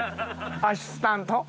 アシスタント。